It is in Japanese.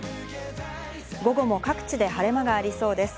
午後も各地で晴れ間がありそうです。